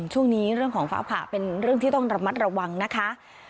ช่วงนี้เรื่องของฟ้าผ่าเป็นเรื่องที่ต้องระมัดระวังนะคะ